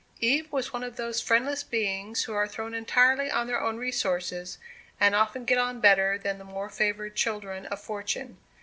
Eve was one of those friendless beings who are thrown entirely on their own resources, and often get on better than the more favoured children of fortune.